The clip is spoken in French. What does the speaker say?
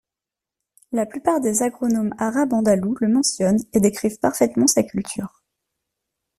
La plupart des agronomes arabes andalous le mentionnent et décrivent parfaitement sa culture.